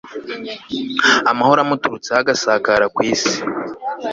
amahoro amuturutseho agasakara ku isi